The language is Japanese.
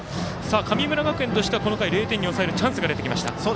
神村学園としてはこの回０点に抑えるチャンスが出てきました。